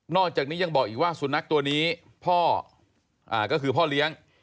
อกจากนี้ยังบอกอีกว่าสุนัขตัวนี้พ่อก็คือพ่อเลี้ยง